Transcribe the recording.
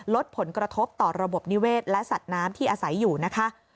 ลดผลกระทบต่อระบบนิเวศและสัตว์น้ำที่อาศัยอยู่นะคะ